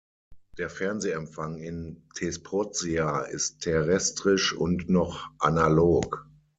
Der Fernsehempfang in Thesprotia ist terrestrisch und noch analog.